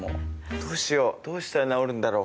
どうしよう、どうしたら直るんだろう？